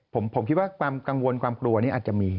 ผมคิดว่ากลังวงความกลัวเนี่ยอาจจะมี